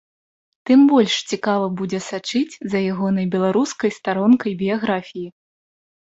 Тым больш цікава будзе сачыць за ягонай беларускай старонкай біяграфіі.